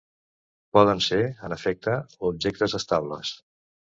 Poden ser, en efecte, objectes estables.